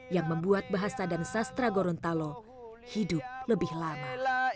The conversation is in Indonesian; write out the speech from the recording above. yang membuat bahasa dan sastra gorontalo hidup lebih lama